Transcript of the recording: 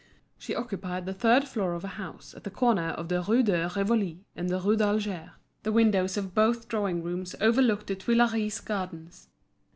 She occupied the third floor of a house at the corner of the Rue de Rivoli and the Rue d'Alger; and the windows of both drawing rooms overlooked the Tuileries Gardens.